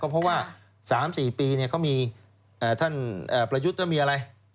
ก็เพราะว่า๓๔ปีเขามีท่านประยุติเรามีอะไร